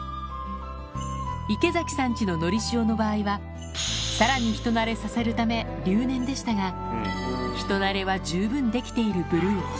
池崎さんちののりしおの場合は、さらに人なれさせるため留年でしたが、人なれは十分できているブルー。